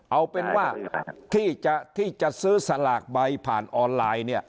เอาเป็นว่าที่จะซื้อสลากใบผ่านออนไลน์เนี่ย